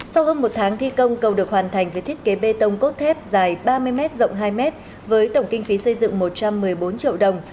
sau hơn một tháng thi công cầu được hoàn thành với thiết kế bê tông cốt thép dài ba mươi m rộng hai m với tổng kinh phí xây dựng một trăm một mươi bốn triệu đồng